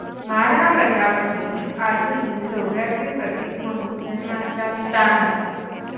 महाराणा प्रतापचे आजही शौर्याचे प्रतीक म्हणून जनमानसात स्थान आहे.